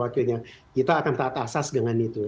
akhirnya kita akan taat asas dengan itu